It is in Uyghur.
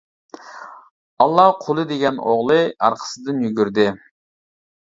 ئاللا قۇلى دېگەن ئوغلى، ئارقىسىدىن يۈگۈردى.